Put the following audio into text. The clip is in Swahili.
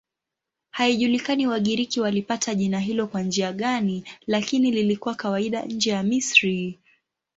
Haijulikani Wagiriki walipata jina hilo kwa njia gani, lakini lilikuwa kawaida nje ya Misri.